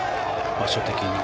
場所的に。